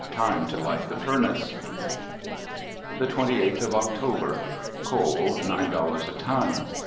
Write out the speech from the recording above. TIME TO LIGHT THE FURNACE The twenty eighth of October. Coal nine dollars a ton.